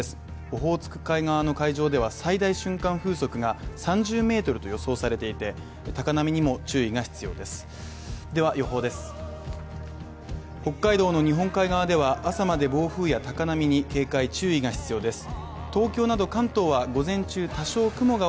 オホーツク海側の海上では、最大瞬間風速が３０メートルと予想されていて高波にも注意が必要です。